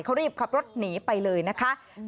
เขารีบขับรถหนีไปเลยนะคะ